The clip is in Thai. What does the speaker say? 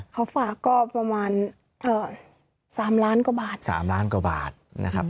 เขาฝากก็ประมาณ๓ล้านกว่าบาท